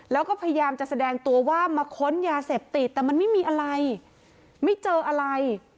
แล้วก็พยายามจะแสดงตัวว่ามาค้นยาเสพติดแต่มันไม่มีอะไรไม่เจออะไร